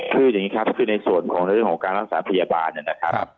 คืออย่างนี้ครับคือในส่วนของในเรื่องของการรักษาพยาบาลนะครับ